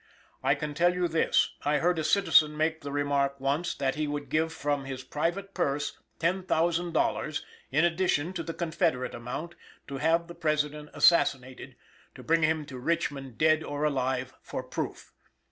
I can tell you this: I heard a citizen make the remark once, that he would give from his private purse $10,000, in addition to the Confederate amount, to have the President assassinated; to bring him to Richmond dead or alive, for proof.